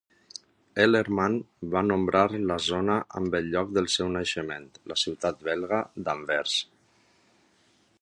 Ellerman va nombrar la zona amb el lloc del seu naixement, la ciutat belga d"Anvers.